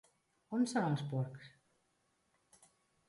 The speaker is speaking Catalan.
On són els porcs?